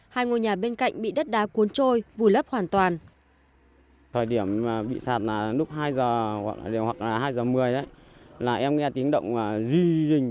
hai ngôi nhà bên cạnh bị đất đá cuốn trôi vùi lấp hoàn toàn